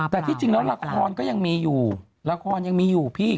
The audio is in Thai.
แต่ที่จริงแล้วละครก็ยังมีอยู่ละครยังมีอยู่พี่